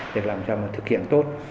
để làm cho một thực hiện tốt